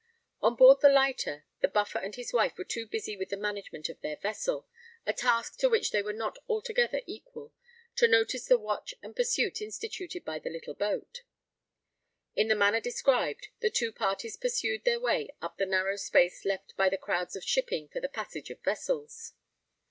On board the lighter, the Buffer and his wife were too busy with the management of their vessel—a task to which they were not altogether equal—to notice the watch and pursuit instituted by the little boat. In the manner described, the two parties pursued their way up the narrow space left by the crowds of shipping for the passage of vessels.